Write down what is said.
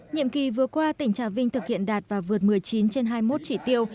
nhiệm kỳ vừa qua tỉnh trà vinh thực hiện đạt và vượt một mươi chín trên hai mươi một chỉ tiêu